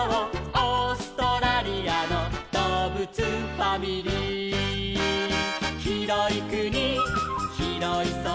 オーストラリアのどうぶつファミリー」「ひろいくにひろいそら」